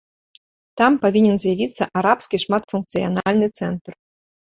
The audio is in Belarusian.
Там павінен з'явіцца арабскі шматфункцыянальны цэнтр.